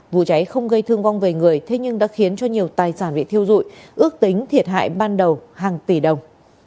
vụ cháy không gây thương vong về người thế nhưng đã khiến cho nhiều tài sản bị thiêu dụi ước tính thiệt hại ban đầu hàng tỷ đồng